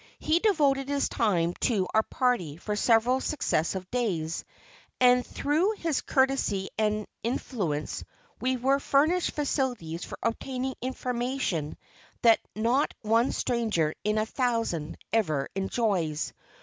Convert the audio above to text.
He devoted his time to our party for several successive days; and through his courtesy and influence we were furnished facilities for obtaining information that not one stranger in a thousand ever enjoys.